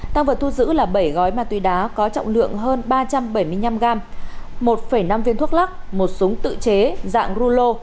tăng vật thu giữ là bảy gói ma túy đá có trọng lượng hơn ba trăm bảy mươi năm g một năm viên thuốc lắc một súng tự chế dạng rulo